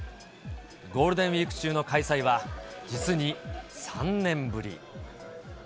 ゴールデンウィーク中の開催は、実に３年ぶり。